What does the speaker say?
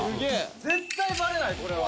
絶対バレないこれは。